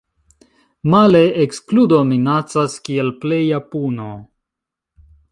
Male, ekskludo minacas kiel pleja puno.